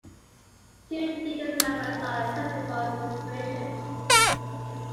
Two digits numbers are accepted for registration.